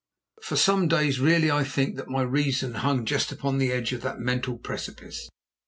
For some days really I think that my reason hung just upon the edge of that mental precipice.